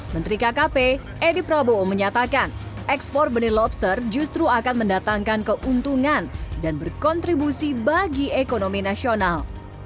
menteri kkp edi prabowo menyatakan ekspor benih lobster justru akan mendatangkan keuntungan dan berkontribusi bagi ekonomi nasional